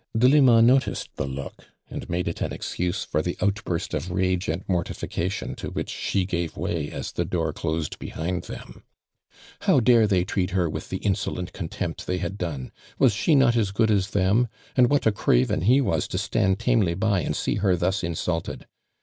Delima noticed the look and made it an excuse for the outburst of rage and mortification to which she gave way as the door closed behind them. How dare they treat her with the insolent contempt they had done? — Was she not as good as them? — And what a craven he was to stand tamely by and see her thus insulted.